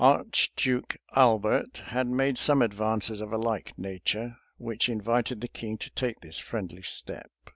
Archduke Albert had made some advances of a like nature[] which invited the king to take this friendly step.